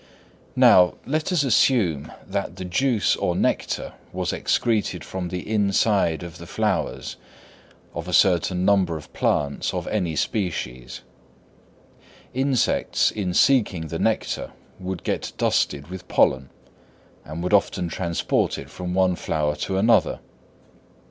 Now, let us suppose that the juice or nectar was excreted from the inside of the flowers of a certain number of plants of any species. Insects in seeking the nectar would get dusted with pollen, and would often transport it from one flower to another.